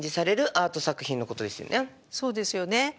そうですよね。